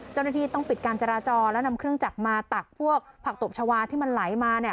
เจ้าหน้าที่ต้องปิดการจราจรแล้วนำเครื่องจักรมาตักพวกผักตบชาวาที่มันไหลมาเนี่ย